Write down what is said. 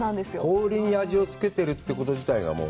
氷に味をつけてるということ自体、もう。